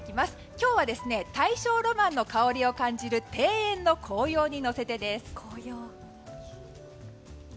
今日は大正ロマンの香りを感じる庭園の紅葉に乗せてです。